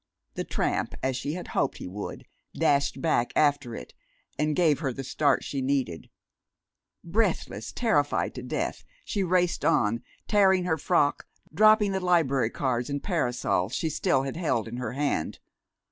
The tramp, as she had hoped he would, dashed back after it and gave her the start she needed. Breathless, terrified to death, she raced on, tearing her frock, dropping the library cards and parasol she still had held in her hand.